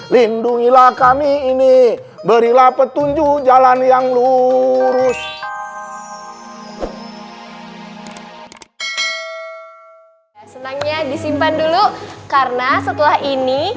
lindungilah kami ini berilah petunjuk jalan yang lurus senangnya disimpan dulu karena setelah ini